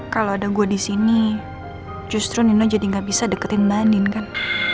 kalau ada gue disini justru nino jadi nggak bisa deketin mbak andin kan